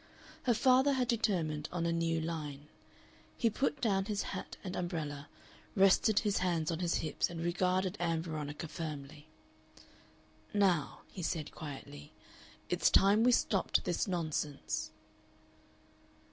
Her father had determined on a new line. He put down his hat and umbrella, rested his hands on his hips, and regarded Ann Veronica firmly. "Now," he said, quietly, "it's time we stopped this nonsense."